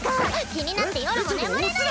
気になって夜も眠れないっス。